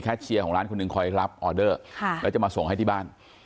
เชียร์ของร้านคนหนึ่งคอยรับออเดอร์แล้วจะมาส่งให้ที่บ้าน